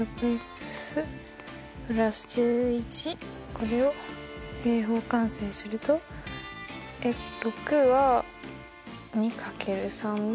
これを平方完成す６は２×３で。